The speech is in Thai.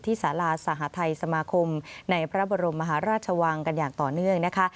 สาราสหทัยสมาคมในพระบรมมหาราชวังกันอย่างต่อเนื่องนะคะ